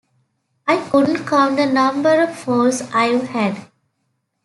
I couldn’t count the number of falls I’ve had.